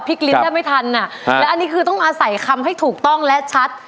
กลิ้นแทบไม่ทันอ่ะแล้วอันนี้คือต้องอาศัยคำให้ถูกต้องและชัด